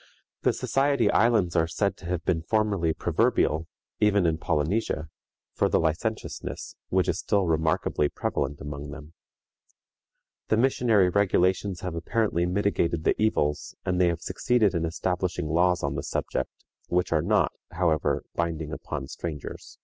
" The Society Islands are said to have been formerly proverbial, even in Polynesia, for the licentiousness which is still remarkably prevalent among them. The missionary regulations have apparently mitigated the evils, and they have succeeded in establishing laws on the subject, which are not, however, binding upon strangers.